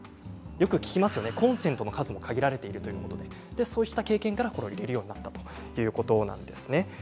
よく聞きますよね、コンセントの数も限られてるということでそうした経験から、入れるようになったということです。